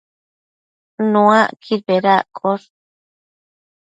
Nuacquid bedaccosh